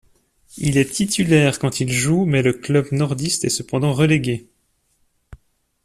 Il est titulaire quand il joue mais le club nordiste est cependant relégué.